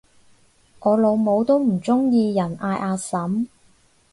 我老母都唔鍾意人嗌阿嬸